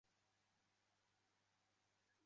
站名来自于曼佐尼路和自由博物馆。